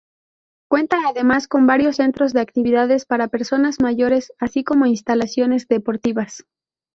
Cuenta además con varios centros de actividades para personas mayores, así como instalaciones deportivas.